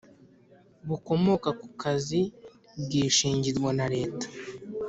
Bukomoka ku kazi bwishingirwa na leta